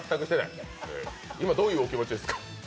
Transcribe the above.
どういうお気持ちですか。